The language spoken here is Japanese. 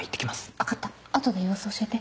分かった後で様子教えて。